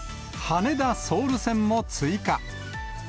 羽田・ソウル線も追加。